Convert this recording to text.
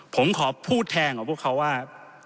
ผมขอพูดแทนของพวกเขาว่า